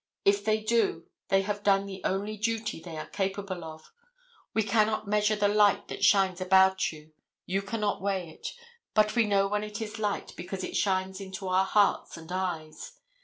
if they do they have done the only duty they are capable of. You cannot measure the light that shines about you; you cannot weigh it, but we know when it is light because it shines into our hearts and eyes.